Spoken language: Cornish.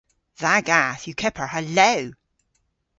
Dha gath yw kepar ha lew.